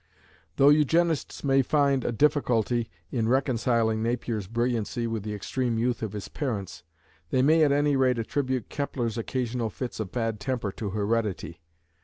Though Eugenists may find a difficulty in reconciling Napier's brilliancy with the extreme youth of his parents, they may at any rate attribute Kepler's occasional fits of bad temper to heredity.